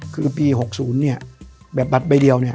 คือปี๖๐แบบบัตรใบเดียว